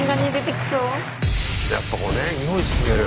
やっぱこうね日本一決める。